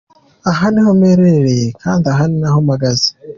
Aha niho mperereye kandi aha niho mpagaze.